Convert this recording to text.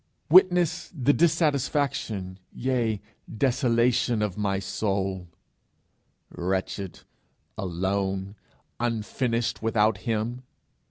Witness the dissatisfaction, yea desolation of my soul wretched, alone, unfinished, without him!